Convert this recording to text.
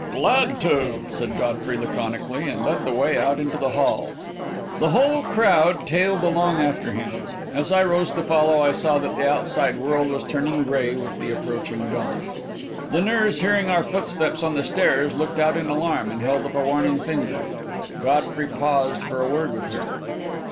"Glad to," said Godfrey laconically, and led the way out into the hall. The whole crowd tailed along after him. As I rose to follow, I saw that the outside world was turning grey with the approaching dawn. The nurse, hearing our footsteps on the stairs, looked out in alarm, and held up a warning finger. Godfrey paused for a word with her.